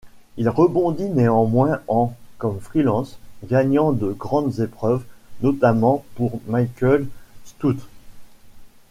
Il rebondit néanmoins en comme freelance, gagnant de grandes épreuves, notamment pour Michael Stoute.